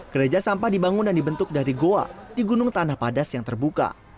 gereja sampah dibangun dan dibentuk dari goa di gunung tanah padas yang terbuka